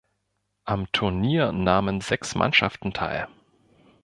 Am Turnier nahmen sechs Mannschaften teil.